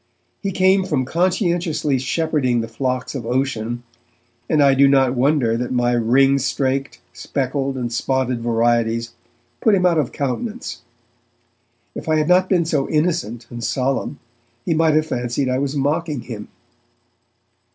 He came from conscientiously shepherding the flocks of ocean, and I do not wonder that my ring straked, speckled and spotted varieties put him out of countenance. If I had not been so innocent and solemn, he might have fancied I was mocking him.